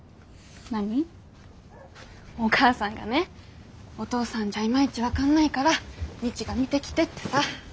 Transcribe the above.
お母さんがねお父さんじゃいまいち分かんないから未知が見てきてってさ。